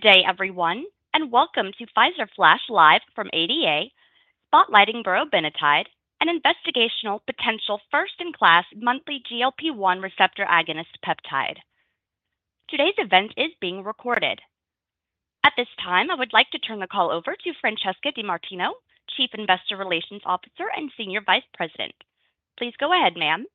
Good day, everyone, and welcome to Pfizer Flash Live from ADA, spotlighting berobenatide, an investigational potential first-in-class monthly GLP-1 receptor agonist peptide. Today's event is being recorded. At this time, I would like to turn the call over to Francesca DeMartino, Chief Investor Relations Officer and Senior Vice President. Please go ahead, ma'am.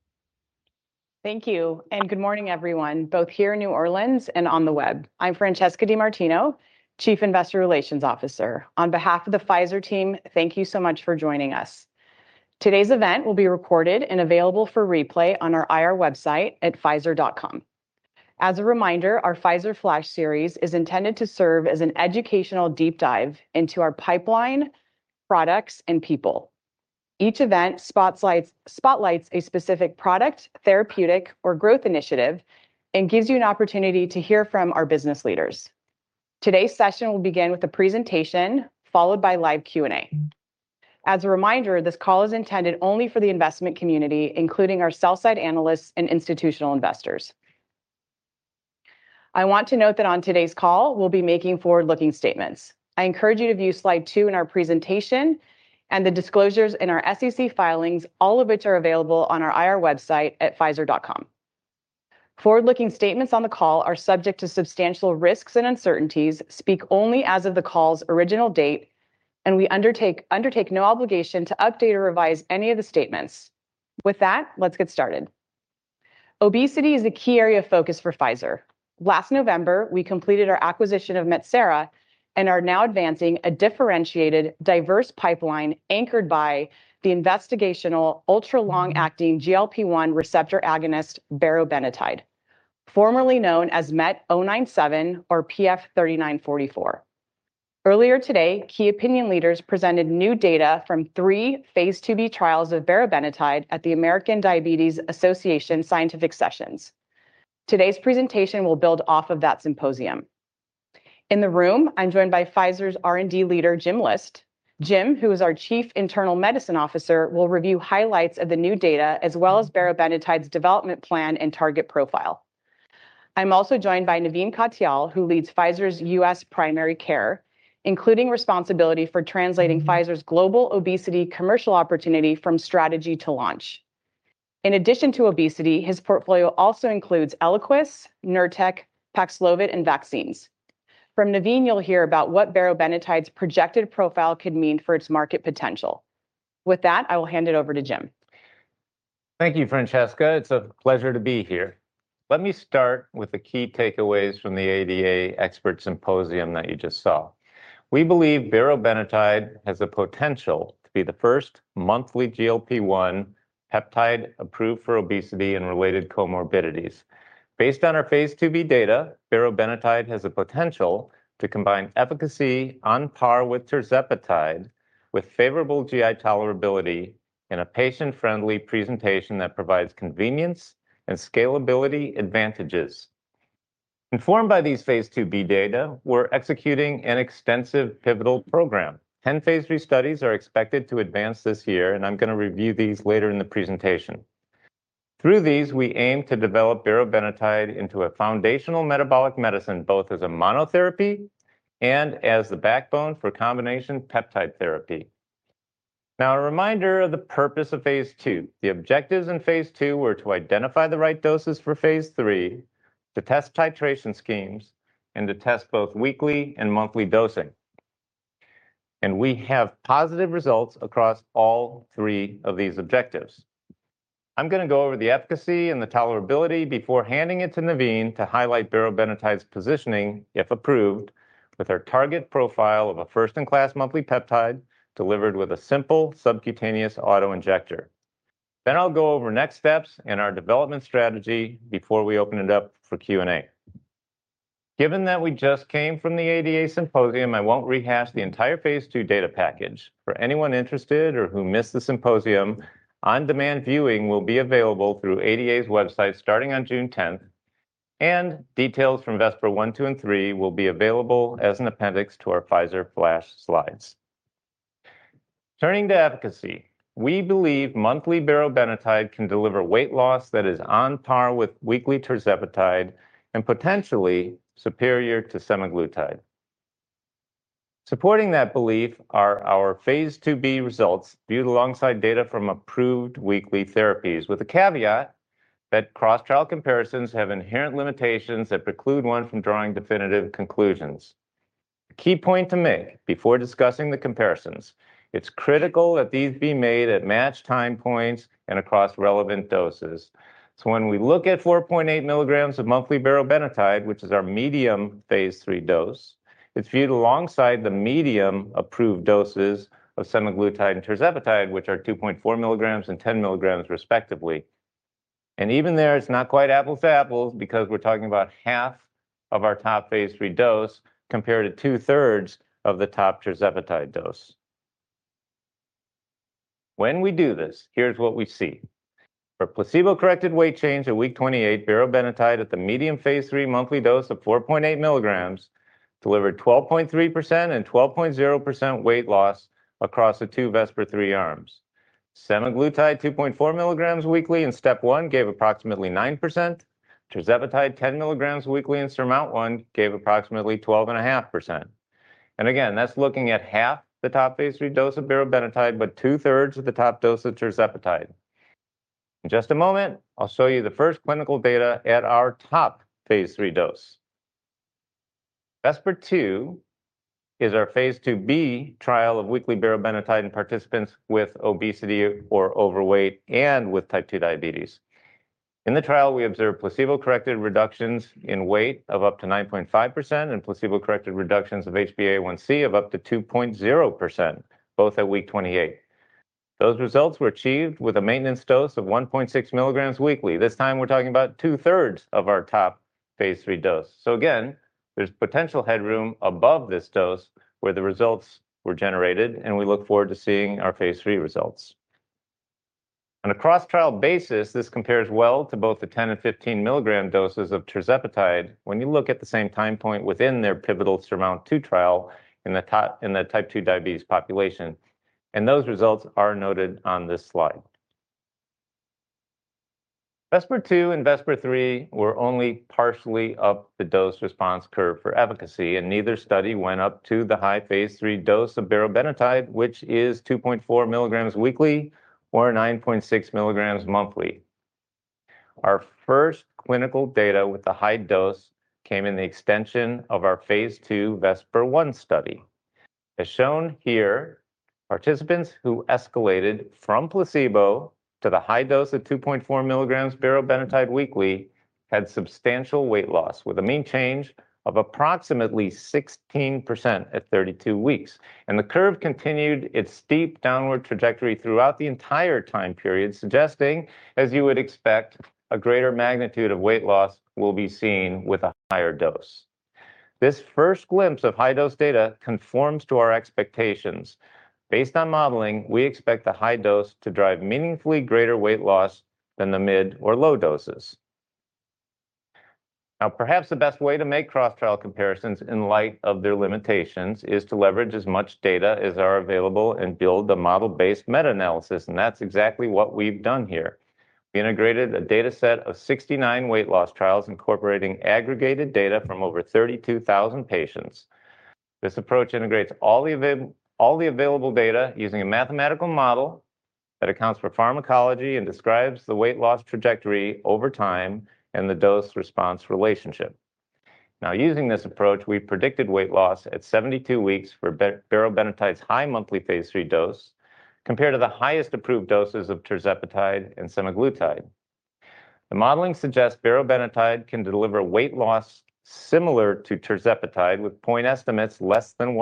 Thank you, good morning, everyone, both here in New Orleans and on the web. I'm Francesca DeMartino, chief investor relations officer. On behalf of the Pfizer team, thank you so much for joining us. Today's event will be recorded and available for replay on our IR website at pfizer.com. As a reminder, our Pfizer Flash series is intended to serve as an educational deep dive into our pipeline, products, and people. Each event spotlights a specific product, therapeutic, or growth initiative and gives you an opportunity to hear from our business leaders. Today's session will begin with a presentation, followed by live Q&A. As a reminder, this call is intended only for the investment community, including our sell-side analysts and institutional investors. I want to note that on today's call, we'll be making forward-looking statements. I encourage you to view slide two in our presentation and the disclosures in our SEC filings, all of which are available on our IR website at pfizer.com. Forward-looking statements on the call are subject to substantial risks and uncertainties, speak only as of the call's original date, and we undertake no obligation to update or revise any of the statements. With that, let's get started. Obesity is a key area of focus for Pfizer. Last November, we completed our acquisition of Metsera and are now advancing a differentiated, diverse pipeline anchored by the investigational ultra-long-acting GLP-1 receptor agonist berobenatide, formerly known as MET-097 or PF-3944. Earlier today, key opinion leaders presented new data from three phase IIb trials of berobenatide at the American Diabetes Association Scientific Sessions. Today's presentation will build off of that symposium. In the room, I'm joined by Pfizer's R&D leader, Jim List. Jim, who is our Chief Internal Medicine Officer, will review highlights of the new data, as well as berobenatide's development plan and target profile. I'm also joined by Navin Katyal, who leads Pfizer's U.S. Primary Care, including responsibility for translating Pfizer's global obesity commercial opportunity from strategy to launch. In addition to obesity, his portfolio also includes ELIQUIS, NURTEC, PAXLOVID, and vaccines. From Navin, you'll hear about what berobenatide's projected profile could mean for its market potential. With that, I will hand it over to Jim. Thank you, Francesca. It's a pleasure to be here. Let me start with the key takeaways from the ADA expert symposium that you just saw. We believe berobenatide has the potential to be the first monthly GLP-1 peptide approved for obesity and related comorbidities. Based on our Phase IIb data, berobenatide has the potential to combine efficacy on par with tirzepatide with favorable GI tolerability in a patient-friendly presentation that provides convenience and scalability advantages. Informed by these Phase IIb data, we're executing an extensive pivotal program. 10 Phase III studies are expected to advance this year, and I'm going to review these later in the presentation. Through these, we aim to develop berobenatide into a foundational metabolic medicine, both as a monotherapy and as the backbone for combination peptide therapy. Now, a reminder of the purpose of Phase II. The objectives in phase II were to identify the right doses for phase III, to test titration schemes, and to test both weekly and monthly dosing. We have positive results across all three of these objectives. I'm going to go over the efficacy and the tolerability before handing it to Navin to highlight berobenatide's positioning, if approved, with our target profile of a first-in-class monthly peptide delivered with a simple subcutaneous auto-injector. I'll go over next steps in our development strategy before we open it up for Q&A. Given that we just came from the ADA symposium, I won't rehash the entire phase II data package. For anyone interested or who missed the symposium, on-demand viewing will be available through ADA's website starting on June 10th, and details from VESPER-1, VESPER-2, and VESPER-3 will be available as an appendix to our Pfizer Flash slides. Turning to efficacy, we believe monthly berobenatide can deliver weight loss that is on par with weekly tirzepatide and potentially superior to semaglutide. Supporting that belief are our phase IIb results viewed alongside data from approved weekly therapies, with the caveat that cross-trial comparisons have inherent limitations that preclude one from drawing definitive conclusions. A key point to make before discussing the comparisons, it's critical that these be made at matched time points and across relevant doses. When we look at 4.8 milligrams of monthly berobenatide, which is our medium phase III dose, it's viewed alongside the medium approved doses of semaglutide and tirzepatide, which are 2.4 milligrams and 10 milligrams respectively. Even there, it's not quite apples to apples because we're talking about half of our top phase III dose compared to two-thirds of the top tirzepatide dose. When we do this, here's what we see. For placebo-corrected weight change at week 28, berobenatide at the medium Phase III monthly dose of 4.8 milligrams delivered 12.3% and 12.0% weight loss across the two VESPER-3 arms. semaglutide 2.4 milligrams weekly in STEP 1 gave approximately 9%. Tirzepatide 10 milligrams weekly in SURMOUNT-1 gave approximately 12.5%. Again, that's looking at half the top Phase III dose of tirzepatide, but two-thirds of the top dose of tirzepatide. Just a moment, I'll show you the first clinical data at our top Phase III dose. VESPER-2 is our Phase IIb trial of weekly tirzepatide in participants with obesity or overweight and with type 2 diabetes. The trial, we observed placebo-corrected reductions in weight of up to 9.5% and placebo-corrected reductions of HbA1c of up to 2.0%, both at week 28. Those results were achieved with a maintenance dose of 1.6 milligrams weekly. This time, we're talking about two-thirds of our top phase III dose. Again, there's potential headroom above this dose where the results were generated, and we look forward to seeing our phase III results. On a cross-trial basis, this compares well to both the 10 and 15-milligram doses of tirzepatide when you look at the same time point within their pivotal SURMOUNT-2 trial in the type 2 diabetes population, and those results are noted on this slide. VESPER-2 and VESPER-3 were only partially up the dose-response curve for efficacy, and neither study went up to the high phase III dose of tirzepatide, which is 2.4 milligrams weekly or 9.6 milligrams monthly. Our first clinical data with the high dose came in the extension of our phase II VESPER-1 study. As shown here, participants who escalated from placebo to the high dose of 2.4 milligrams tirzepatide weekly had substantial weight loss, with a mean change of approximately 16% at 32 weeks. The curve continued its steep downward trajectory throughout the entire time period, suggesting, as you would expect, a greater magnitude of weight loss will be seen with a higher dose. This first glimpse of high-dose data conforms to our expectations. Based on modeling, we expect the high dose to drive meaningfully greater weight loss than the mid or low doses. Perhaps the best way to make cross-trial comparisons in light of their limitations is to leverage as much data as are available and build a model-based meta-analysis, and that's exactly what we've done here. We integrated a dataset of 69 weight loss trials incorporating aggregated data from over 32,000 patients. This approach integrates all the available data using a mathematical model that accounts for pharmacology and describes the weight loss trajectory over time and the dose-response relationship. Now, using this approach, we predicted weight loss at 72 weeks for tirzepatide's high monthly phase III dose compared to the highest approved doses of tirzepatide and semaglutide. The modeling suggests tirzepatide can deliver weight loss similar to tirzepatide, with point estimates less than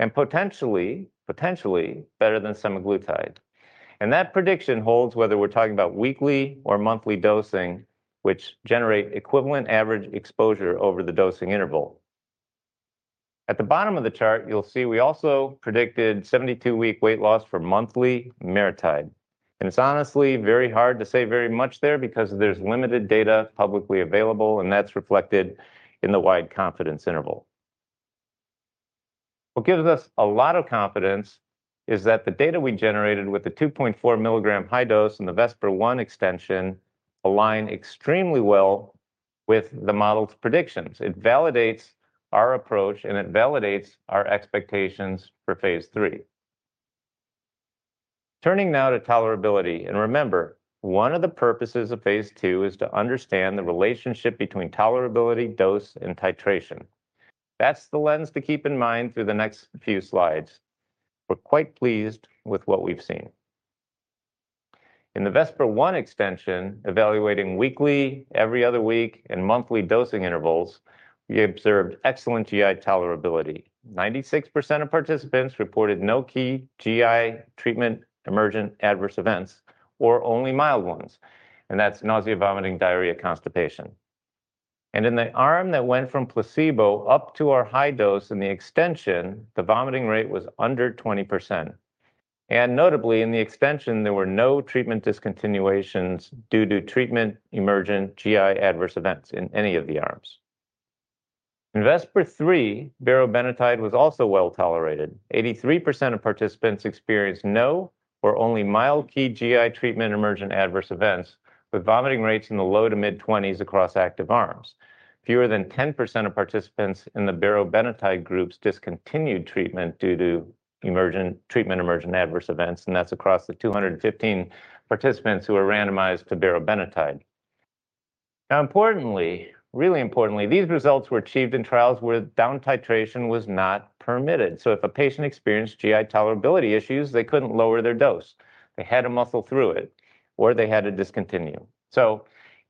1% apart, and potentially better than semaglutide. That prediction holds whether we're talking about weekly or monthly dosing, which generate equivalent average exposure over the dosing interval. At the bottom of the chart, you'll see we also predicted 72-week weight loss for monthly berobenatide. It's honestly very hard to say very much there because there's limited data publicly available, and that's reflected in the wide confidence interval. What gives us a lot of confidence is that the data we generated with the 2.4-milligram high dose in the VESPER-1 extension align extremely well with the model's predictions. It validates our approach, it validates our expectations for Phase III. Turning now to tolerability. Remember, one of the purposes of Phase II is to understand the relationship between tolerability, dose, and titration. That's the lens to keep in mind through the next few slides. We're quite pleased with what we've seen. In the VESPER-1 extension, evaluating weekly, every other week, and monthly dosing intervals, we observed excellent GI tolerability. 96% of participants reported no key GI treatment emergent adverse events or only mild ones, that's nausea, vomiting, diarrhea, constipation. In the arm that went from placebo up to our high dose in the extension, the vomiting rate was under 20%. Notably in the extension, there were no treatment discontinuations due to treatment emergent GI adverse events in any of the arms. In VESPER-3, tirzepatide was also well-tolerated. 83% of participants experienced no or only mild key GI treatment emergent adverse events, with vomiting rates in the low to mid-20s across active arms. Fewer than 10% of participants in the tirzepatide groups discontinued treatment due to treatment emergent adverse events, and that's across the 215 participants who were randomized to tirzepatide. Importantly, really importantly, these results were achieved in trials where down-titration was not permitted. If a patient experienced GI tolerability issues, they couldn't lower their dose. They had to muscle through it, or they had to discontinue.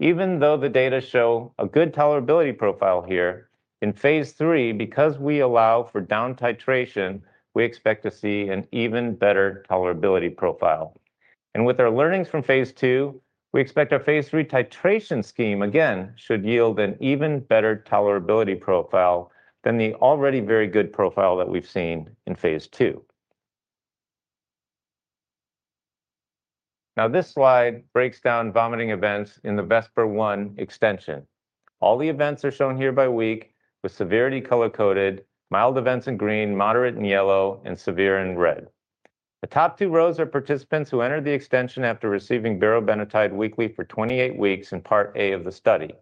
Even though the data show a good tolerability profile here, in Phase III, because we allow for down-titration, we expect to see an even better tolerability profile. With our learnings from phase II, we expect our phase III titration scheme, again, should yield an even better tolerability profile than the already very good profile that we've seen in phase II. This slide breaks down vomiting events in the VESPER-1 extension. All the events are shown here by week, with severity color-coded, mild events in green, moderate in yellow, and severe in red. The top two rows are participants who entered the extension after receiving tirzepatide weekly for 28 weeks in part A of the study.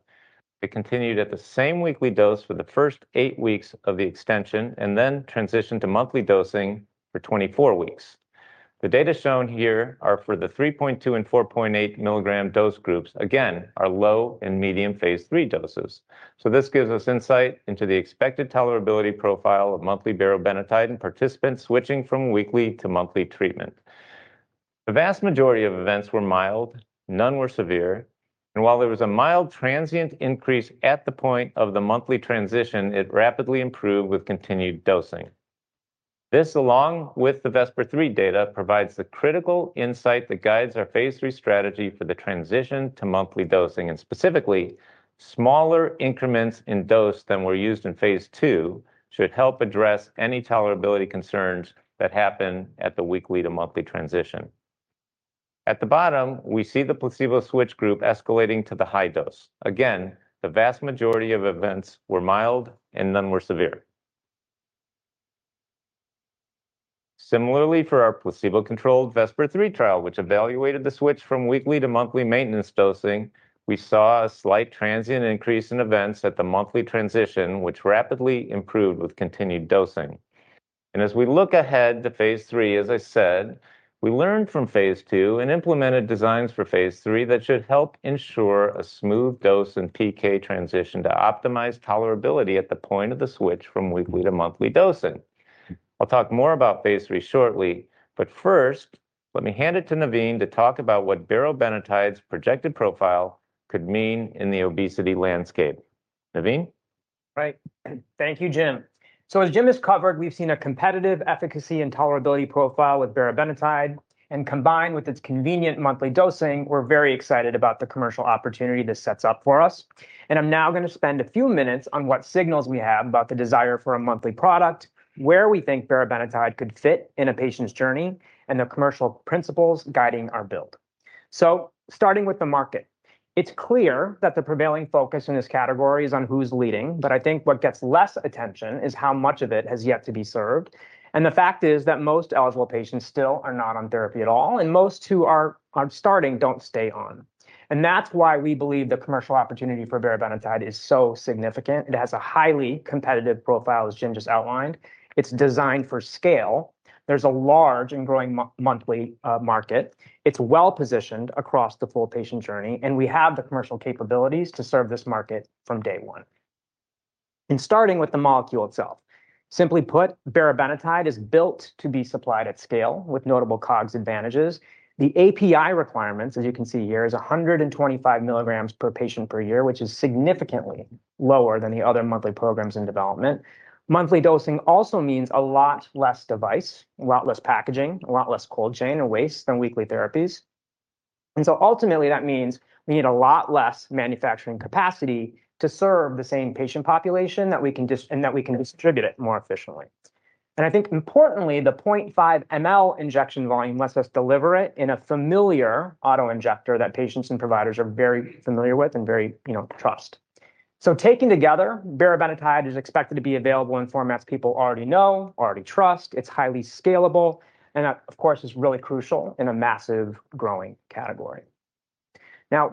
They continued at the same weekly dose for the first eight weeks of the extension, and then transitioned to monthly dosing for 24 weeks. The data shown here are for the 3.2 and 4.8 milligram dose groups, again, our low and medium phase III doses. This gives us insight into the expected tolerability profile of monthly tirzepatide in participants switching from weekly to monthly treatment. The vast majority of events were mild, none were severe, and while there was a mild transient increase at the point of the monthly transition, it rapidly improved with continued dosing. This, along with the VESPER-3 data, provides the critical insight that guides our phase III strategy for the transition to monthly dosing. Specifically, smaller increments in dose than were used in phase II should help address any tolerability concerns that happen at the weekly to monthly transition. At the bottom, we see the placebo switch group escalating to the high dose. Again, the vast majority of events were mild and none were severe. Similarly for our placebo-controlled VESPER-3 trial, which evaluated the switch from weekly to monthly maintenance dosing, we saw a slight transient increase in events at the monthly transition, which rapidly improved with continued dosing. As we look ahead to phase III, as I said, we learned from phase II and implemented designs for phase III that should help ensure a smooth dose and PK transition to optimized tolerability at the point of the switch from weekly to monthly dosing. I'll talk more about phase III shortly, first, let me hand it to Navin to talk about what tirzepatide's projected profile could mean in the obesity landscape. Navin? Right. Thank you, Jim. As Jim has covered, we've seen a competitive efficacy and tolerability profile with tirzepatide. Combined with its convenient monthly dosing, we're very excited about the commercial opportunity this sets up for us. I'm now going to spend a few minutes on what signals we have about the desire for a monthly product, where we think tirzepatide could fit in a patient's journey, and the commercial principles guiding our build. Starting with the market, it's clear that the prevailing focus in this category is on who's leading, but I think what gets less attention is how much of it has yet to be served. The fact is that most eligible patients still are not on therapy at all, and most who are starting don't stay on. That's why we believe the commercial opportunity for tirzepatide is so significant. It has a highly competitive profile, as Jim just outlined. It's designed for scale. There's a large and growing monthly market. It's well-positioned across the full patient journey. We have the commercial capabilities to serve this market from day one. Starting with the molecule itself, simply put, tirzepatide is built to be supplied at scale with notable COGS advantages. The API requirements, as you can see here, is 125 milligrams per patient per year, which is significantly lower than the other monthly programs in development. Monthly dosing also means a lot less device, a lot less packaging, a lot less cold chain or waste than weekly therapies. Ultimately, that means we need a lot less manufacturing capacity to serve the same patient population and that we can distribute it more efficiently. I think importantly, the 0.5 ML injection volume lets us deliver it in a familiar auto-injector that patients and providers are very familiar with and very, trust. Taking together, tirzepatide is expected to be available in formats people already know, already trust. That, of course, is really crucial in a massive growing category.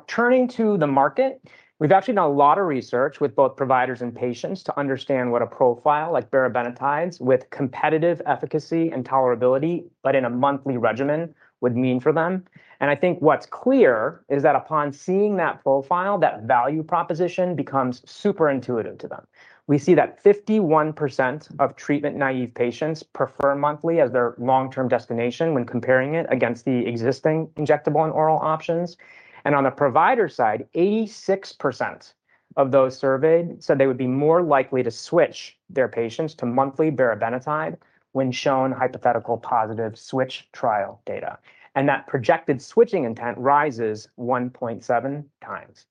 Turning to the market, we've actually done a lot of research with both providers and patients to understand what a profile like tirzepatide's, with competitive efficacy and tolerability, but in a monthly regimen, would mean for them. I think what's clear is that upon seeing that profile, that value proposition becomes super intuitive to them. We see that 51% of treatment-naive patients prefer monthly as their long-term destination when comparing it against the existing injectable and oral options. On the provider side, 86% of those surveyed said they would be more likely to switch their patients to monthly tirzepatide when shown hypothetical positive switch trial data. That projected switching intent rises 1.7 times.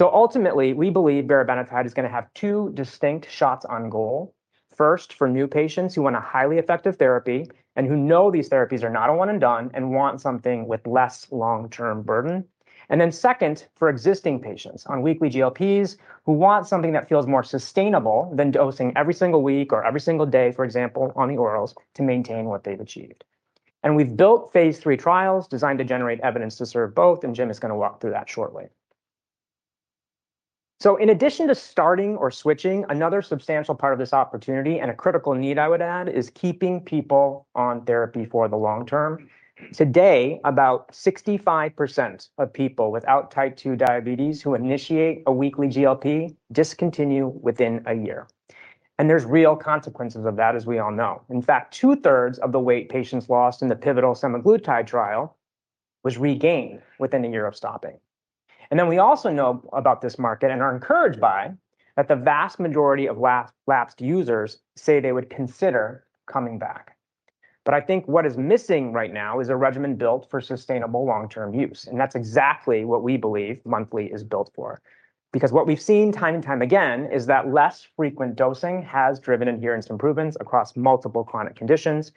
Ultimately, we believe tirzepatide is going to have two distinct shots on goal. First, for new patients who want a highly effective therapy and who know these therapies are not a one and done and want something with less long-term burden. Second, for existing patients on weekly GLPs who want something that feels more sustainable than dosing every single week or every single day, for example, on the orals, to maintain what they've achieved. We've built phase III trials designed to generate evidence to serve both, Jim is going to walk through that shortly. In addition to starting or switching, another substantial part of this opportunity, and a critical need I would add, is keeping people on therapy for the long term. Today, about 65% of people without type 2 diabetes who initiate a weekly GLP-1 discontinue within a year. There's real consequences of that, as we all know. In fact, two-thirds of the weight patients lost in the pivotal semaglutide trial was regained within a year of stopping. We also know about this market and are encouraged by that the vast majority of lapsed users say they would consider coming back. I think what is missing right now is a regimen built for sustainable long-term use, and that's exactly what we believe monthly is built for. What we've seen time and time again is that less frequent dosing has driven adherence improvements across multiple chronic conditions.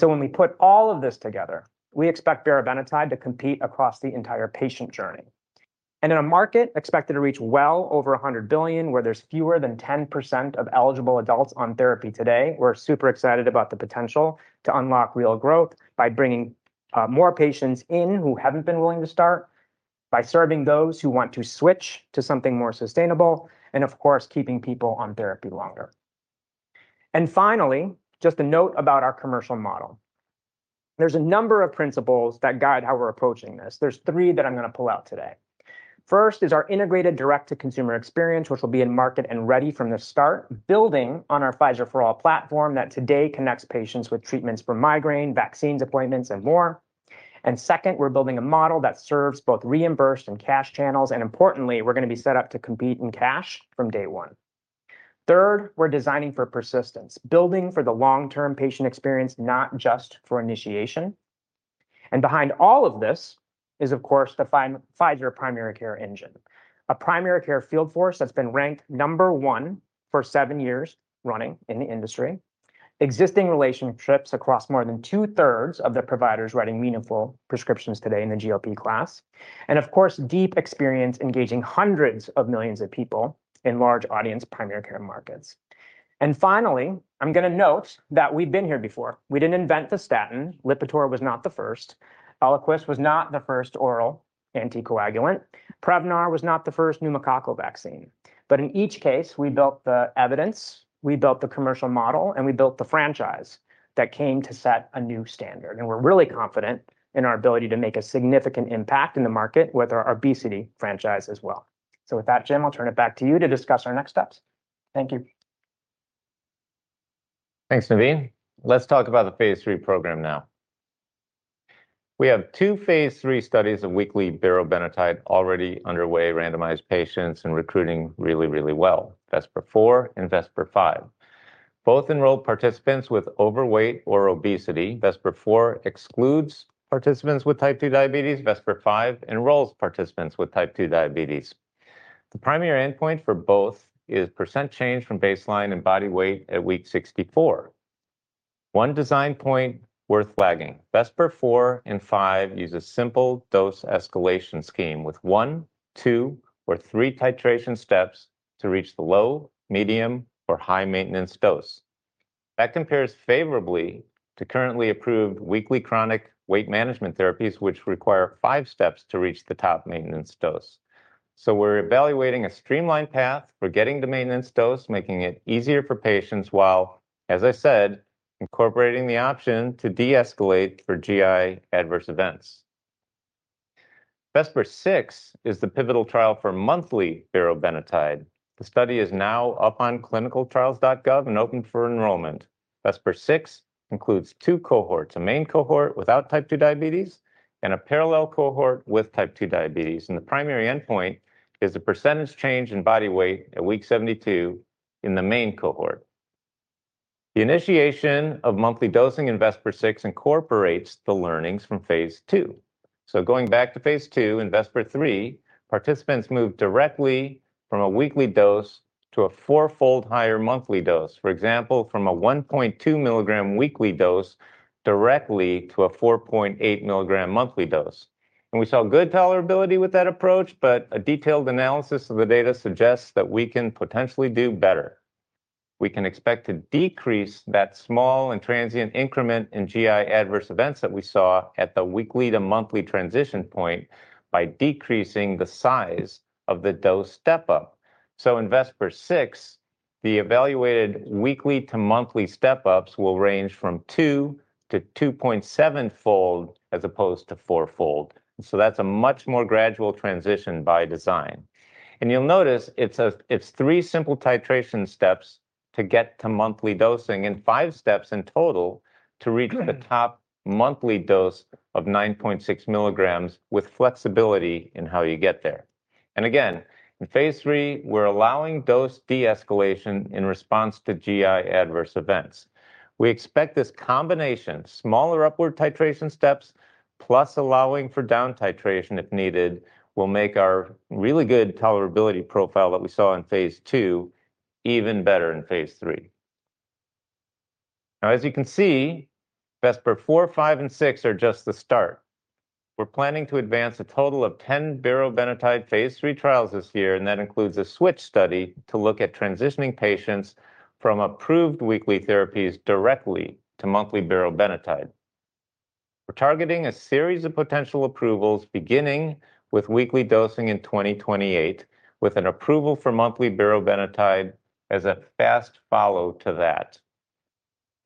When we put all of this together, we expect tirzepatide to compete across the entire patient journey. In a market expected to reach well over $100 billion, where there's fewer than 10% of eligible adults on therapy today, we're super excited about the potential to unlock real growth by bringing more patients in who haven't been willing to start, by serving those who want to switch to something more sustainable, and of course, keeping people on therapy longer. Finally, just a note about our commercial model. There's a number of principles that guide how we're approaching this. There's three that I'm going to pull out today. First is our integrated direct-to-consumer experience, which will be in market and ready from the start, building on our PfizerForAll platform that today connects patients with treatments for migraine, vaccines, appointments, and more. Second, we're building a model that serves both reimbursed and cash channels, and importantly, we're going to be set up to compete in cash from day one. Third, we're designing for persistence, building for the long-term patient experience, not just for initiation. Behind all of this is, of course, the Pfizer primary care engine, a primary care field force that's been ranked number 1 for seven years running in the industry, existing relationships across more than two-thirds of the providers writing meaningful prescriptions today in the GLP class, and of course, deep experience engaging hundreds of millions of people in large audience primary care markets. Finally, I'm going to note that we've been here before. We didn't invent the statin. LIPITOR was not the first. ELIQUIS was not the first oral anticoagulant. PREVNAR was not the first pneumococcal vaccine. In each case, we built the evidence, we built the commercial model, and we built the franchise that came to set a new standard. We're really confident in our ability to make a significant impact in the market with our obesity franchise as well. With that, Jim, I'll turn it back to you to discuss our next steps. Thank you. Thanks, Navin. Let's talk about the phase III program now. We have two phase III studies of weekly berobenatide already underway, randomized patients, and recruiting really, really well. VESPER-4 and VESPER-5. Both enroll participants with overweight or obesity. VESPER-4 excludes participants with type 2 diabetes. VESPER-5 enrolls participants with type 2 diabetes. The primary endpoint for both is % change from baseline and body weight at week 64. One design point worth flagging, VESPER-4 and VESPER-5 use a simple dose escalation scheme with one, two, or three titration steps to reach the low, medium, or high maintenance dose. That compares favorably to currently approved weekly chronic weight management therapies, which require five steps to reach the top maintenance dose. We're evaluating a streamlined path for getting to maintenance dose, making it easier for patients, while, as I said, incorporating the option to deescalate for GI adverse events. VESPER-6 is the pivotal trial for monthly berobenatide. The study is now up on clinicaltrials.gov and open for enrollment. VESPER-6 includes two cohorts, a main cohort without type 2 diabetes, and a parallel cohort with type 2 diabetes, and the primary endpoint is the percentage change in body weight at week 72 in the main cohort. The initiation of monthly dosing in VESPER-6 incorporates the learnings from phase II. Going back to phase II in VESPER-3, participants moved directly from a weekly dose to a four-fold higher monthly dose. For example, from a 1.2 milligram weekly dose directly to a 4.8 milligram monthly dose. We saw good tolerability with that approach. A detailed analysis of the data suggests that we can potentially do better. We can expect to decrease that small and transient increment in GI adverse events that we saw at the weekly to monthly transition point by decreasing the size of the dose step-up. In VESPER-6, the evaluated weekly to monthly step-ups will range from 2-2.7-fold as opposed to 4-fold. That's a much more gradual transition by design. You'll notice it's three simple titration steps to get to monthly dosing and five steps in total to reach the top monthly dose of 9.6 mg with flexibility in how you get there. Again, in phase III, we're allowing dose deescalation in response to GI adverse events. We expect this combination, smaller upward titration steps, plus allowing for down titration if needed, will make our really good tolerability profile that we saw in phase II even better in phase III. As you can see, VESPER-4, VESPER-5, and VESPER-6 are just the start. We're planning to advance a total of 10 berobenatide phase III trials this year, that includes a SWITCH study to look at transitioning patients from approved weekly therapies directly to monthly berobenatide. We're targeting a series of potential approvals, beginning with weekly dosing in 2028, with an approval for monthly berobenatide as a fast follow to that.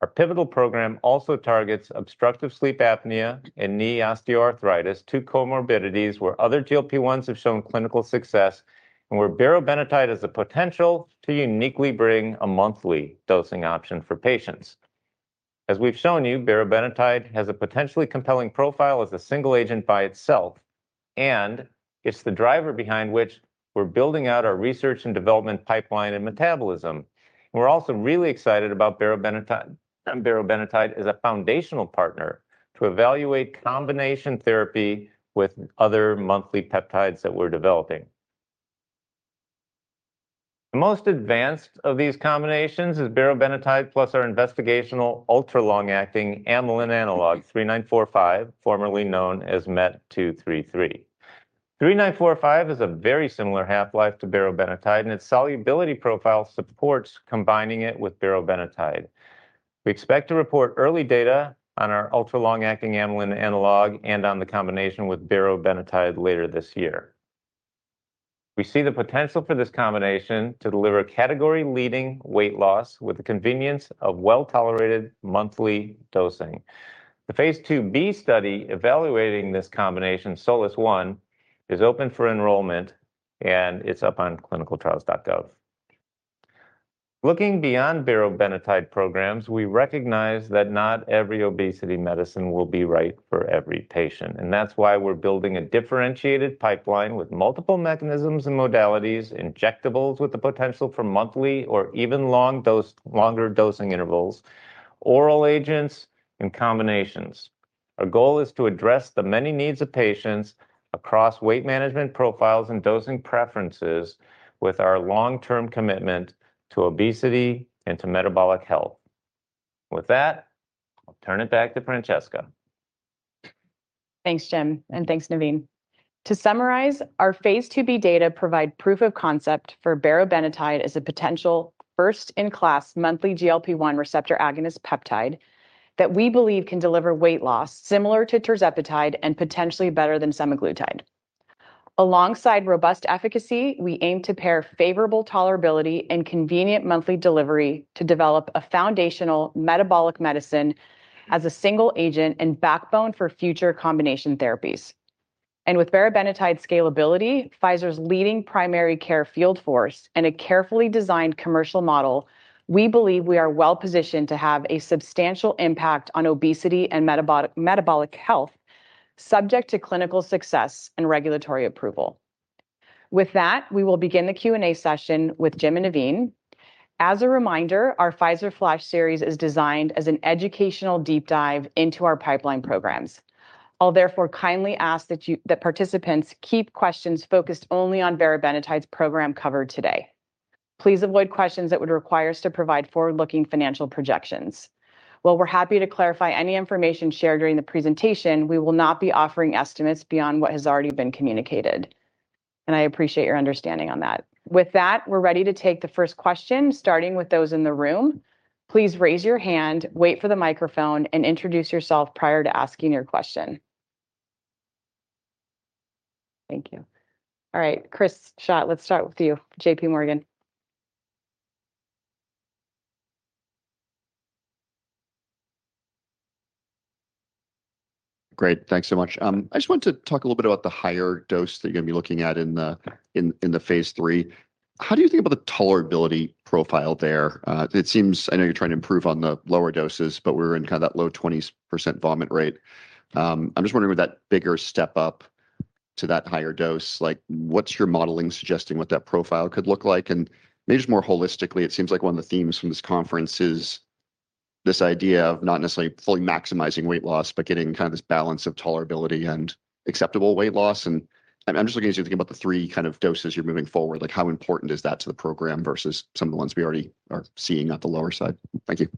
Our pivotal program also targets obstructive sleep apnea and knee osteoarthritis, two comorbidities where other GLP-1s have shown clinical success and where berobenatide has the potential to uniquely bring a monthly dosing option for patients. As we've shown you, berobenatide has a potentially compelling profile as a single agent by itself. It's the driver behind which we're building out our research and development pipeline and metabolism. We're also really excited about berobenatide as a foundational partner to evaluate combination therapy with other monthly peptides that we're developing. The most advanced of these combinations is berobenatide plus our investigational ultra-long-acting amylin analog 3945, formerly known as MET-233i. 3945 has a very similar half-life to berobenatide. Its solubility profile supports combining it with berobenatide. We expect to report early data on our ultra-long-acting amylin analog and on the combination with berobenatide later this year. We see the potential for this combination to deliver category-leading weight loss with the convenience of well-tolerated monthly dosing. The Phase IIb study evaluating this combination, SOLIS-1, is open for enrollment. It's up on clinicaltrials.gov. Looking beyond berobenatide programs, we recognize that not every obesity medicine will be right for every patient, and that's why we're building a differentiated pipeline with multiple mechanisms and modalities, injectables with the potential for monthly or even longer dosing intervals, oral agents, and combinations. Our goal is to address the many needs of patients across weight management profiles and dosing preferences with our long-term commitment to obesity and to metabolic health. With that, I'll turn it back to Francesca. Thanks, Jim, and thanks, Navin. To summarize, our Phase IIb data provide proof of concept for berobenatide as a potential first-in-class monthly GLP-1 receptor agonist peptide that we believe can deliver weight loss similar to tirzepatide and potentially better than semaglutide. Alongside robust efficacy, we aim to pair favorable tolerability and convenient monthly delivery to develop a foundational metabolic medicine as a single agent and backbone for future combination therapies. With berobenatide scalability, Pfizer's leading primary care field force, and a carefully designed commercial model, we believe we are well-positioned to have a substantial impact on obesity and metabolic health, subject to clinical success and regulatory approval. With that, we will begin the Q&A session with Jim and Navin. As a reminder, our Pfizer Flash series is designed as an educational deep dive into our pipeline programs. I'll therefore kindly ask that participants keep questions focused only on berobenatide's program covered today. Please avoid questions that would require us to provide forward-looking financial projections. While we're happy to clarify any information shared during the presentation, we will not be offering estimates beyond what has already been communicated, and I appreciate your understanding on that. We're ready to take the first question, starting with those in the room. Please raise your hand, wait for the microphone, and introduce yourself prior to asking your question. Thank you. Chris Schott, let's start with you, J.P. Morgan. Great. Thanks so much. I just wanted to talk a little bit about the higher dose that you're going to be looking at in the phase III. How do you think about the tolerability profile there? I know you're trying to improve on the lower doses, but we were in that low 20% vomit rate. I'm just wondering with that bigger step up to that higher dose, what's your modeling suggesting what that profile could look like? Maybe just more holistically, it seems like one of the themes from this conference is this idea of not necessarily fully maximizing weight loss, but getting this balance of tolerability and acceptable weight loss, and I'm just looking as you think about the three doses you're moving forward. How important is that to the program versus some of the ones we already are seeing at the lower side? Thank you.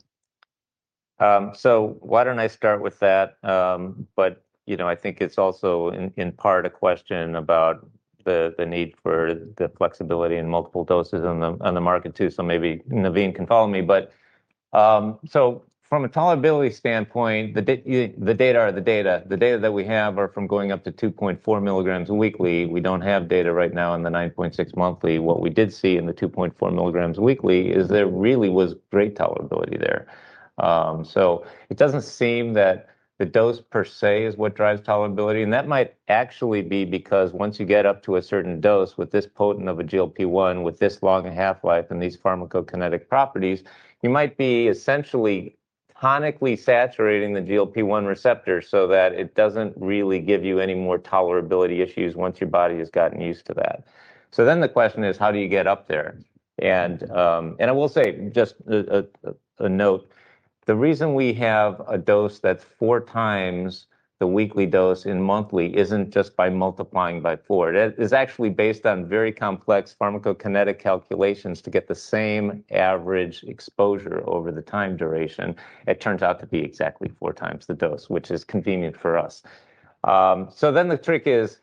Why don't I start with that? I think it's also, in part, a question about the need for the flexibility and multiple doses on the market too. Maybe Navin can follow me. From a tolerability standpoint, the data are the data. The data that we have are from going up to 2.4 milligrams weekly. We don't have data right now on the 9.6 monthly. What we did see in the 2.4 milligrams weekly is there really was great tolerability there. It doesn't seem that the dose per se is what drives tolerability, and that might actually be because once you get up to a certain dose with this potent of a GLP-1, with this long a half-life, and these pharmacokinetic properties, you might be essentially tonically saturating the GLP-1 receptor so that it doesn't really give you any more tolerability issues once your body has gotten used to that. The question is, how do you get up there? I will say, just a note, the reason we have a dose that's four times the weekly dose in monthly isn't just by multiplying by four. It is actually based on very complex pharmacokinetic calculations to get the same average exposure over the time duration. It turns out to be exactly four times the dose, which is convenient for us. The trick is,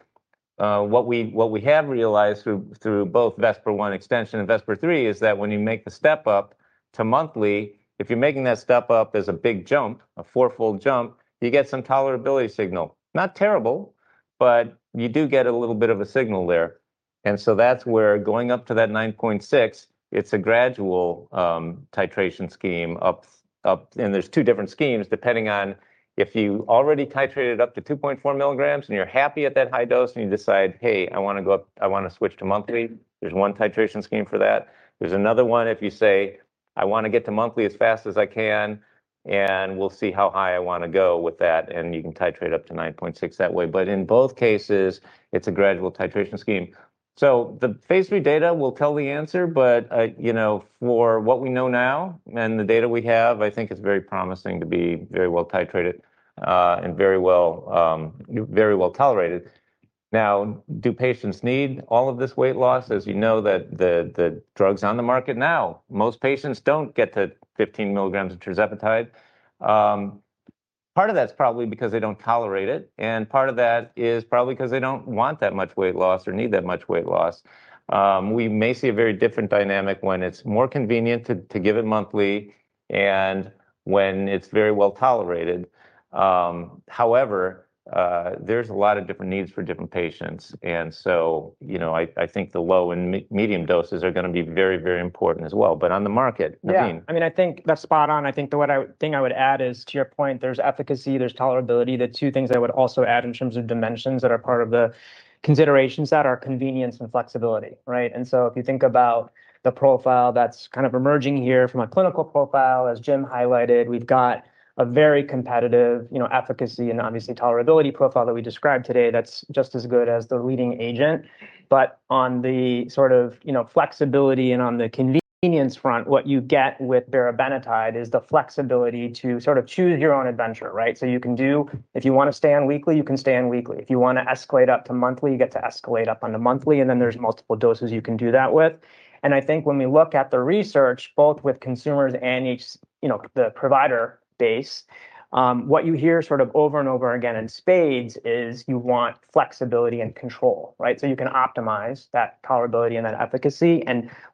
what we have realized through both VESPER-1 extension and VESPER-3 is that when you make the step up to monthly, if you're making that step up as a big jump, a four-fold jump, you get some tolerability signal. Not terrible, but you do get a little bit of a signal there. That's where going up to that 9.6, it's a gradual titration scheme up. There's two different schemes depending on if you already titrated up to 2.4 milligrams and you're happy at that high dose, and you decide, "Hey, I want to switch to monthly," there's one titration scheme for that. There's another one if you say, "I want to get to monthly as fast as I can, and we'll see how high I want to go with that," and you can titrate up to 9.6 that way. In both cases, it's a gradual titration scheme. The phase III data will tell the answer, but for what we know now and the data we have, I think it's very promising to be very well titrated, and very well tolerated. Now, do patients need all of this weight loss? As you know, the drugs on the market now, most patients don't get the 15 milligrams of tirzepatide. Part of that's probably because they don't tolerate it, and part of that is probably because they don't want that much weight loss or need that much weight loss. We may see a very different dynamic when it's more convenient to give it monthly and when it's very well-tolerated. There's a lot of different needs for different patients, and so I think the low and medium doses are going to be very important as well. On the market, Navin? Yeah. I think that's spot on. I think the thing I would add is, to your point, there's efficacy, there's tolerability. The two things I would also add in terms of dimensions that are part of the considerations that are convenience and flexibility. Right? If you think about the profile that's kind of emerging here from a clinical profile, as Jim highlighted, we've got a very competitive efficacy and obviously tolerability profile that we described today that's just as good as the leading agent. On the sort of flexibility and on the convenience front, what you get with tirzepatide is the flexibility to sort of choose your own adventure, right? You can do, if you want to stay on weekly, you can stay on weekly. If you want to escalate up to monthly, you get to escalate up on the monthly, and then there's multiple doses you can do that with. I think when we look at the research, both with consumers and the provider base, what you hear sort of over and over again in spades is you want flexibility and control, right? You can optimize that tolerability and that efficacy.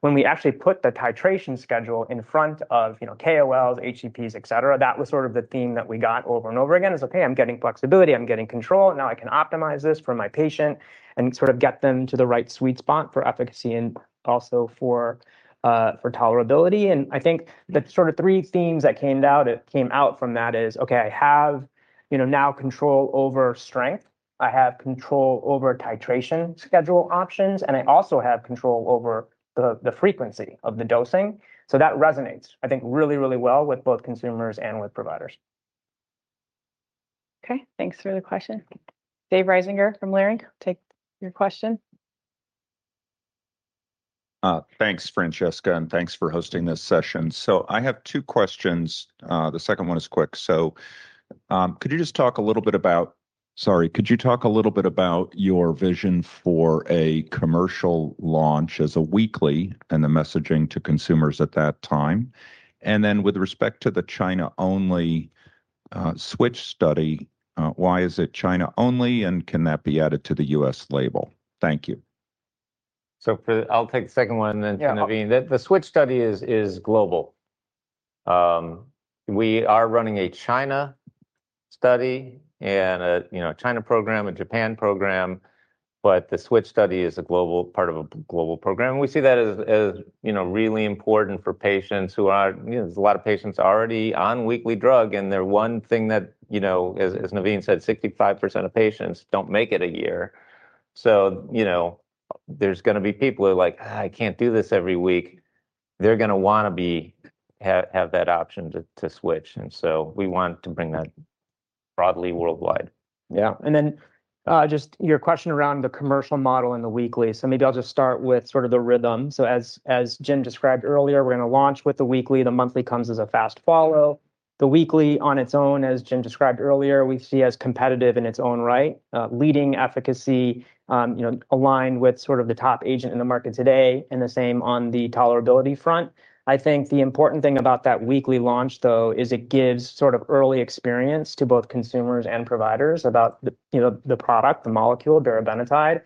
When we actually put the titration schedule in front of KOLs, HCPs, et cetera, that was sort of the theme that we got over and over again is, "Okay, I'm getting flexibility, I'm getting control, and now I can optimize this for my patient and sort of get them to the right sweet spot for efficacy and also for tolerability." I think the sort of three themes that came out from that is, okay, I have now control over strength, I have control over titration schedule options, and I also have control over the frequency of the dosing. That resonates, I think, really well with both consumers and with providers. Okay. Thanks for the question. Dave Risinger from Leerink, take your question. Thanks, Francesca, and thanks for hosting this session. I have two questions. The second one is quick. Could you talk a little bit about your vision for a commercial launch as a weekly and the messaging to consumers at that time? With respect to the China-only SWITCH study, why is it China only, and can that be added to the U.S. label? Thank you. I'll take the second one then. Yeah Navin. The SWITCH study is global. We are running a China study and a China program, a Japan program. The SWITCH study is part of a global program. We see that as really important for patients. There's a lot of patients already on weekly drug. The one thing that, as Navin said, 65% of patients don't make it a year. There's going to be people who are like, "I can't do this every week." They're going to want to have that option to switch. We want to bring that broadly worldwide. Yeah. Just your question around the commercial model and the weekly. Maybe I'll just start with sort of the rhythm. As Jim described earlier, we're going to launch with the weekly. The monthly comes as a fast follow. The weekly on its own, as Jim described earlier, we see as competitive in its own right, leading efficacy aligned with sort of the top agent in the market today, and the same on the tolerability front. I think the important thing about that weekly launch, though, is it gives sort of early experience to both consumers and providers about the product, the molecule, tirzepatide.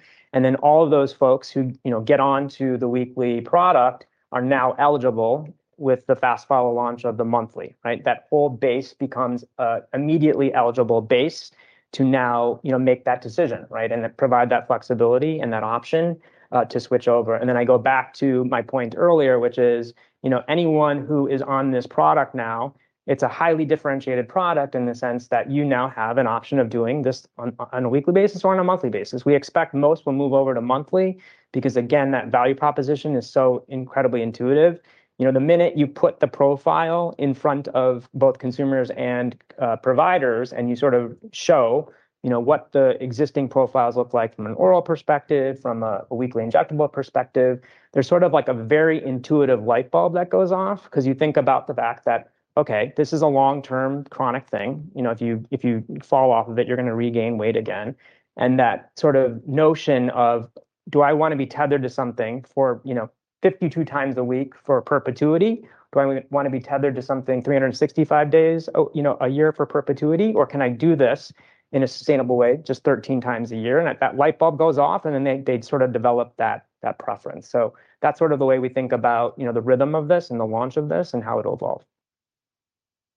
All of those folks who get onto the weekly product are now eligible with the fast follow launch of the monthly. Right? That whole base becomes a immediately eligible base to now make that decision, right, and provide that flexibility and that option to switch over. I go back to my point earlier, which is anyone who is on this product now, it's a highly differentiated product in the sense that you now have an option of doing this on a weekly basis or on a monthly basis. We expect most will move over to monthly because, again, that value proposition is so incredibly intuitive. The minute you put the profile in front of both consumers and providers, and you sort of show what the existing profiles look like from an oral perspective, from a weekly injectable perspective, there's sort of like a very intuitive light bulb that goes off. You think about the fact that, okay, this is a long-term chronic thing. If you fall off of it, you're going to regain weight again, that sort of notion of do I want to be tethered to something for 52 times a week for perpetuity? Do I want to be tethered to something 365 days a year for perpetuity, or can I do this in a sustainable way, just 13 times a year? That light bulb goes off, then they sort of develop that preference. That's sort of the way we think about the rhythm of this and the launch of this and how it'll evolve.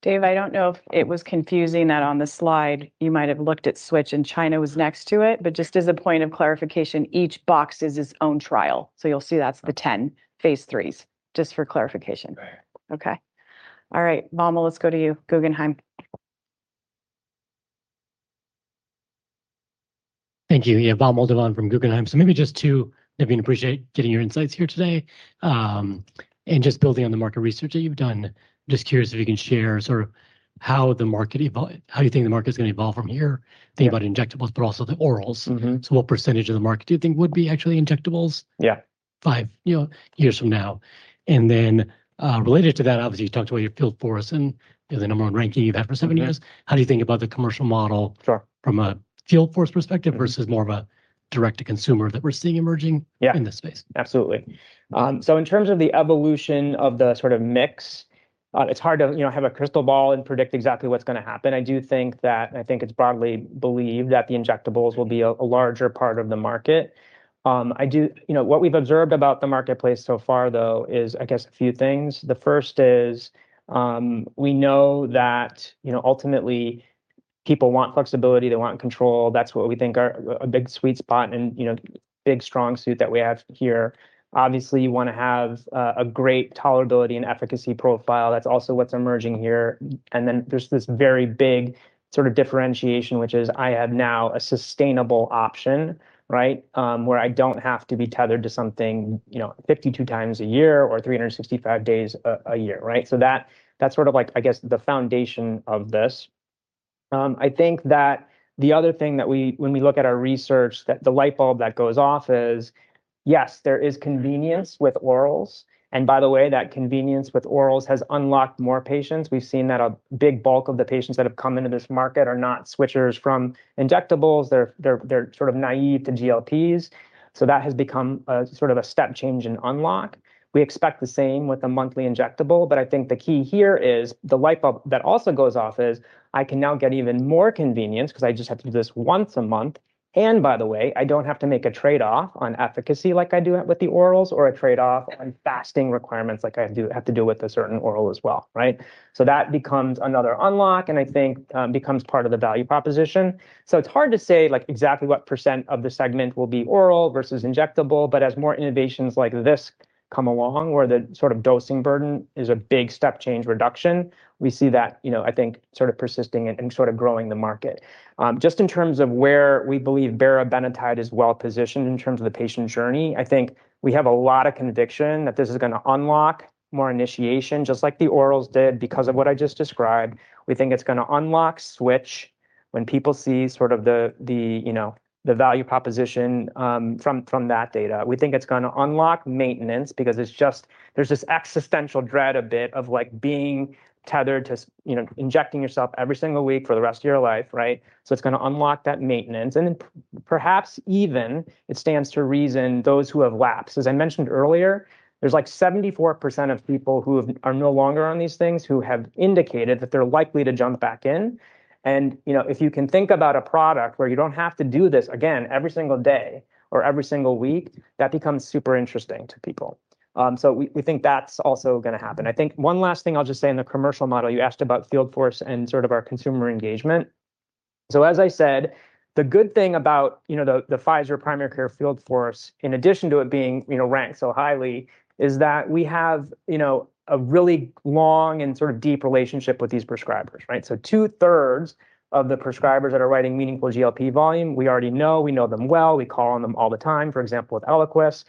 Dave, I don't know if it was confusing that on the slide you might have looked at SWITCH and China was next to it, but just as a point of clarification, each box is its own trial. You'll see that's the 10 phase III, just for clarification. Right. Okay. All right. Vamil, let's go to you, Guggenheim. Thank you. Yeah, Vamil Divan from Guggenheim. Navin, appreciate getting your insights here today. Just building on the market research that you've done, just curious if you can share sort of how you think the market's going to evolve from here. Think about injectables, but also the orals. What % of the market do you think would be actually injectables? Yeah. five years from now. Related to that, obviously, you talked about your field force and the number 1 ranking you've had for seven years. How do you think about the commercial model? Sure from a field force perspective versus more of a direct-to-consumer that we're seeing emerging. Yeah in this space? Absolutely. In terms of the evolution of the sort of mix, it's hard to have a crystal ball and predict exactly what's going to happen. I do think that it's broadly believed that the injectables will be a larger part of the market. What we've observed about the marketplace so far, though, is, I guess, a few things. The first is, we know that ultimately people want flexibility, they want control. That's what we think are a big sweet spot and big strong suit that we have here. Obviously, you want to have a great tolerability and efficacy profile. That's also what's emerging here. There's this very big sort of differentiation, which is I have now a sustainable option, where I don't have to be tethered to something 52 times a year or 365 days a year. That's sort of like the foundation of this. I think that the other thing that when we look at our research, the light bulb that goes off is, yes, there is convenience with orals, and by the way, that convenience with orals has unlocked more patients. We've seen that a big bulk of the patients that have come into this market are not switchers from injectables. They're sort of naive to GLPs. That has become a sort of a step change in unlock. We expect the same with the monthly injectable, I think the key here is the light bulb that also goes off is I can now get even more convenience because I just have to do this once a month. By the way, I don't have to make a trade-off on efficacy like I do with the orals, or a trade-off on fasting requirements like I have to do with a certain oral as well. That becomes another unlock and I think becomes part of the value proposition. It's hard to say exactly what percent of the segment will be oral versus injectable, but as more innovations like this come along, where the sort of dosing burden is a big step change reduction, we see that persisting and sort of growing the market. In terms of where we believe berobenatide is well positioned in terms of the patient journey, I think we have a lot of conviction that this is going to unlock more initiation, just like the orals did because of what I just described. We think it's going to unlock switch when people see the value proposition from that data. We think it's going to unlock maintenance because there's this existential dread a bit of being tethered to injecting yourself every single week for the rest of your life. It's going to unlock that maintenance, and perhaps even it stands to reason those who have lapsed. As I mentioned earlier, there's 74% of people who are no longer on these things who have indicated that they're likely to jump back in. If you can think about a product where you don't have to do this again every single day or every single week, that becomes super interesting to people. We think that's also going to happen. I think one last thing I'll just say in the commercial model, you asked about field force and sort of our consumer engagement. As I said, the good thing about the Pfizer primary care field force, in addition to it being ranked so highly, is that we have a really long and sort of deep relationship with these prescribers, right? Two-thirds of the prescribers that are writing meaningful GLP volume, we already know. We know them well. We call on them all the time. For example, with ELIQUIS.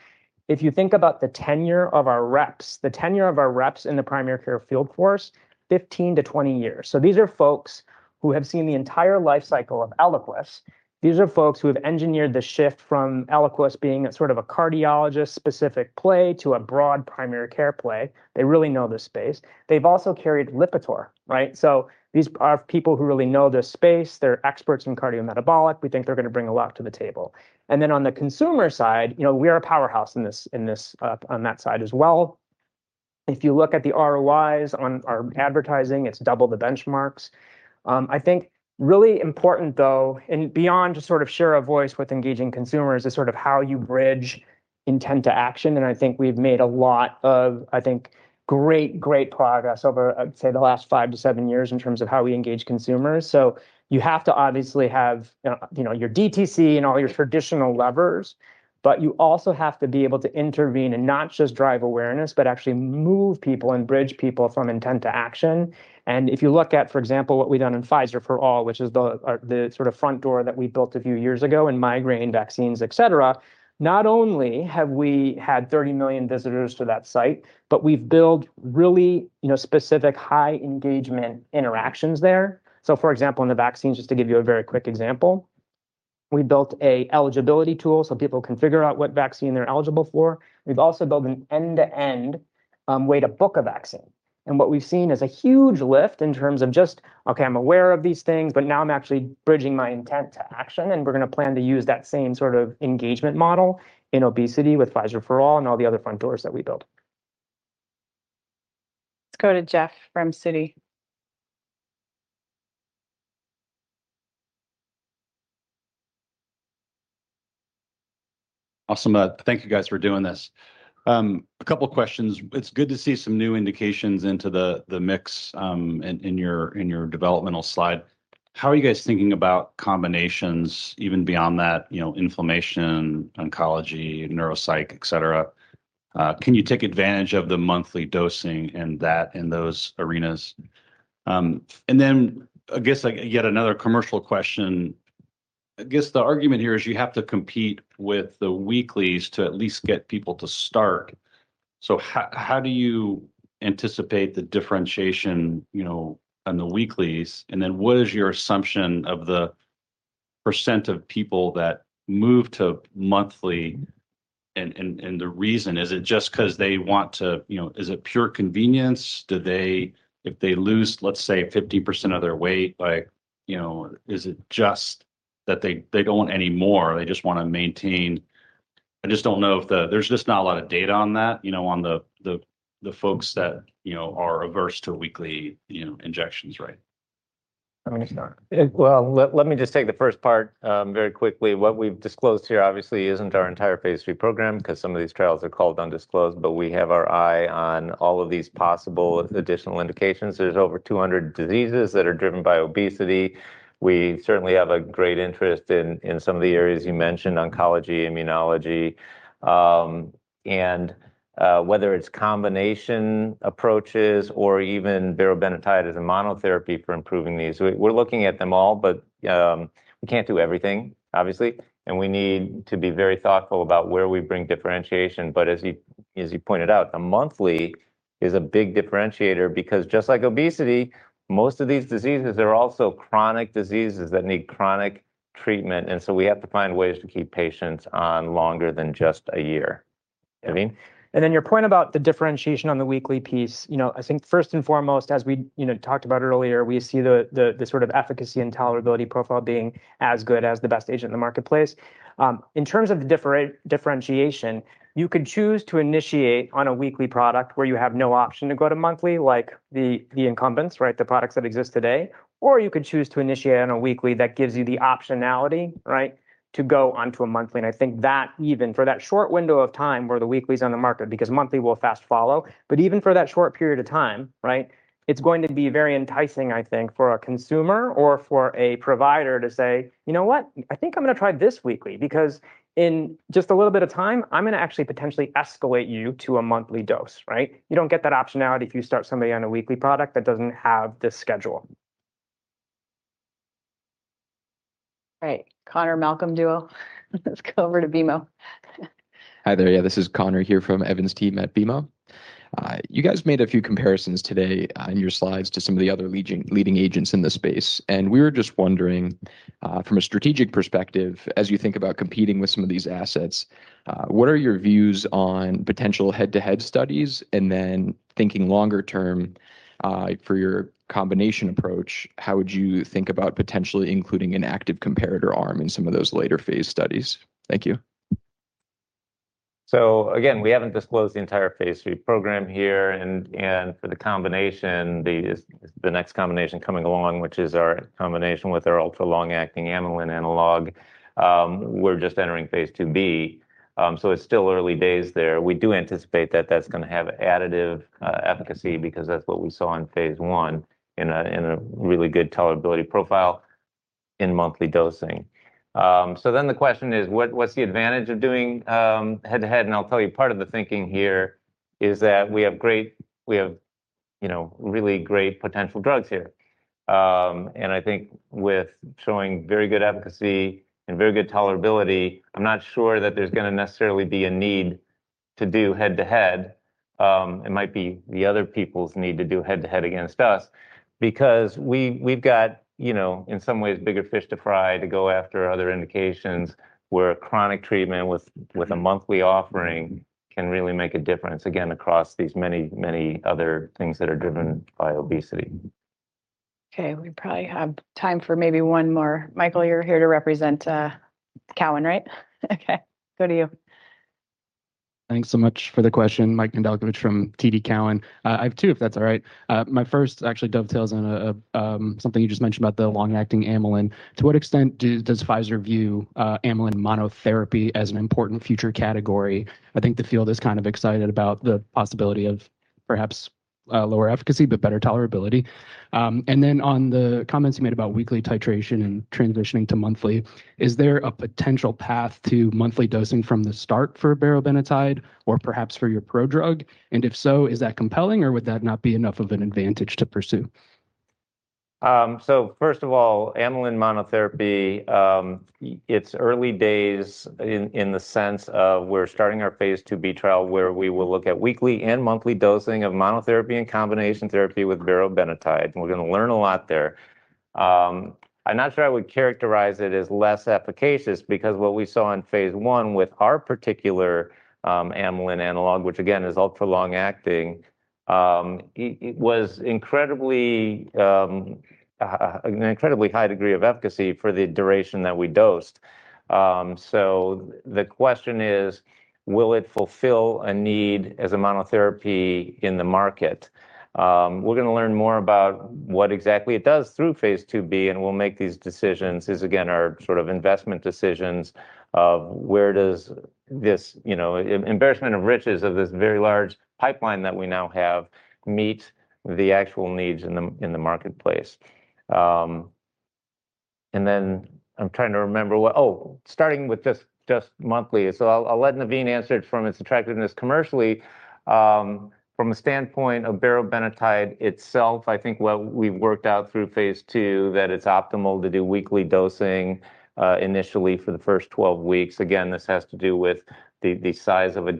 If you think about the tenure of our reps, the tenure of our reps in the primary care field force, 15-20 years. These are folks who have seen the entire life cycle of ELIQUIS. These are folks who have engineered the shift from ELIQUIS being sort of a cardiologist-specific play to a broad primary care play. They really know this space. They've also carried LIPITOR, right? These are people who really know this space. They're experts in cardiometabolic. We think they're going to bring a lot to the table. On the consumer side, we are a powerhouse on that side as well. If you look at the ROIs on our advertising, it's double the benchmarks. I think really important though, and beyond just sort of share of voice with engaging consumers is sort of how you bridge intent to action, and I think we've made a lot of great progress over, say, the last five to seven years in terms of how we engage consumers. You have to obviously have your DTC and all your traditional levers, but you also have to be able to intervene and not just drive awareness, but actually move people and bridge people from intent to action. If you look at, for example, what we've done in Pfizer For All, which is the sort of front door that we built a few years ago in migraine vaccines, et cetera. Not only have we had 30 million visitors to that site, but we've built really specific high engagement interactions there. For example, in the vaccines, just to give you a very quick example, we built an eligibility tool so people can figure out what vaccine they're eligible for. We've also built an end-to-end way to book a vaccine. What we've seen is a huge lift in terms of just, "Okay, I'm aware of these things, but now I'm actually bridging my intent to action," and we're going to plan to use that same sort of engagement model in obesity with Pfizer For All and all the other front doors that we build. Let's go to Geoff from Citi. Awesome. Thank you guys for doing this. A couple questions. It's good to see some new indications into the mix in your developmental slide. How are you guys thinking about combinations even beyond that, inflammation, oncology, neuropsych, et cetera? Can you take advantage of the monthly dosing in those arenas? I guess yet another commercial question. I guess the argument here is you have to compete with the weeklies to at least get people to start. How do you anticipate the differentiation on the weeklies, and then what is your assumption of the % of people that move to monthly, and the reason, is it just because they want to? Is it pure convenience? If they lose, let's say 50% of their weight, is it just that they don't want any more? They just want to maintain. I just don't know. There's just not a lot of data on that, on the folks that are averse to weekly injections, right? I mean, it's not. Well, let me just take the first part very quickly. What we've disclosed here obviously isn't our entire Phase III program because some of these trials are called undisclosed, but we have our eye on all of these possible additional indications. There's over 200 diseases that are driven by obesity. We certainly have a great interest in some of the areas you mentioned, oncology, immunology, whether it's combination approaches or even bariatric as a monotherapy for improving these. We're looking at them all, but we can't do everything, obviously, and we need to be very thoughtful about where we bring differentiation. As you pointed out, a monthly is a big differentiator because just like obesity, most of these diseases are also chronic diseases that need chronic treatment, and so we have to find ways to keep patients on longer than just a year. Navin? Your point about the differentiation on the weekly piece, I think first and foremost, as we talked about earlier, we see the sort of efficacy and tolerability profile being as good as the best agent in the marketplace. In terms of the differentiation, you could choose to initiate on a weekly product where you have no option to go to monthly, like the incumbents, the products that exist today. You could choose to initiate on a weekly that gives you the optionality to go onto a monthly. I think that even for that short window of time where the weekly is on the market, because monthly will fast follow, but even for that short period of time, it's going to be very enticing, I think, for a consumer or for a provider to say, "You know what? I think I'm going to try this weekly." In just a little bit of time, I'm going to actually potentially escalate you to a monthly dose. You don't get that optionality if you start somebody on a weekly product that doesn't have this schedule. Right. [Conor-Malcolm Duo], let's go over to BMO. Hi there. Yeah, this is Conor here from Evan's team at BMO. You guys made a few comparisons today in your slides to some of the other leading agents in the space, and we were just wondering, from a strategic perspective, as you think about competing with some of these assets, what are your views on potential head-to-head studies? Thinking longer term, for your combination approach, how would you think about potentially including an active comparator arm in some of those later phase studies? Thank you. Again, we haven't disclosed the entire phase III program here, and for the combination, the next combination coming along, which is our combination with our ultra-long-acting amylin analog. We're just entering phase IIB, it's still early days there. We do anticipate that that's going to have additive efficacy because that's what we saw in phase I in a really good tolerability profile in monthly dosing. The question is what's the advantage of doing head-to-head? I'll tell you, part of the thinking here is that we have really great potential drugs here. I think with showing very good efficacy and very good tolerability, I'm not sure that there's going to necessarily be a need to do head-to-head. It might be the other people's need to do head-to-head against us because we've got, in some ways, bigger fish to fry to go after other indications where a chronic treatment with a monthly offering can really make a difference again across these many other things that are driven by obesity. Okay, we probably have time for maybe one more. Michael, you're here to represent Cowen, right? Okay, go to you. Thanks so much for the question. Mike Nedelcovych from TD Cowen. I have two, if that's all right. My first actually dovetails on something you just mentioned about the long-acting amylin. To what extent does Pfizer view amylin monotherapy as an important future category? I think the field is kind of excited about the possibility of perhaps lower efficacy, but better tolerability. On the comments you made about weekly titration and transitioning to monthly, is there a potential path to monthly dosing from the start for berobenatide or perhaps for your prodrug? If so, is that compelling or would that not be enough of an advantage to pursue? First of all, amylin monotherapy, it's early days in the sense of we're starting our phase IIb trial where we will look at weekly and monthly dosing of monotherapy and combination therapy with berobenatide, and we're going to learn a lot there. I'm not sure I would characterize it as less efficacious because what we saw in phase I with our particular amylin analog, which again is ultra long-acting, it was an incredibly high degree of efficacy for the duration that we dosed. The question is, will it fulfill a need as a monotherapy in the market? We're going to learn more about what exactly it does through phase IIb, and we'll make these decisions, as again, our sort of investment decisions of where does this embarrassment of riches of this very large pipeline that we now have meet the actual needs in the marketplace. I'm trying to remember what Oh, starting with just monthly. I'll let Navin answer it from its attractiveness commercially. From a standpoint of berobenatide itself, I think what we've worked out through phase II, that it's optimal to do weekly dosing initially for the first 12 weeks. Again, this has to do with the size of a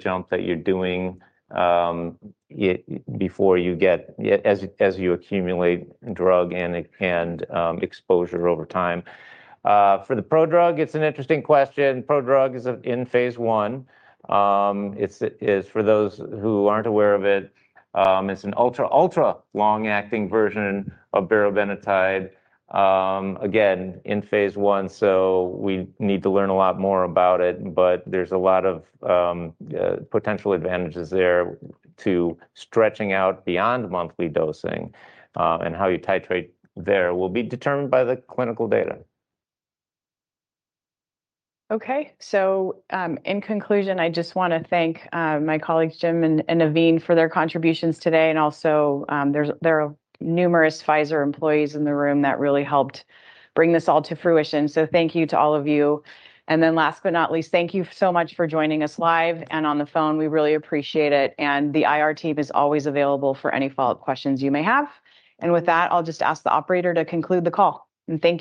jump that you're doing as you accumulate drug and exposure over time. For the prodrug, it's an interesting question. Prodrug is in phase I. For those who aren't aware of it's an ultra long-acting version of berobenatide. In phase I, so we need to learn a lot more about it, but there's a lot of potential advantages there to stretching out beyond monthly dosing. How you titrate there will be determined by the clinical data. Okay. In conclusion, I just want to thank my colleagues Jim and Navin for their contributions today. Also, there are numerous Pfizer employees in the room that really helped bring this all to fruition, so thank you to all of you. Last but not least, thank you so much for joining us live and on the phone. We really appreciate it, and the IR team is always available for any follow-up questions you may have. With that, I'll just ask the operator to conclude the call. Thank you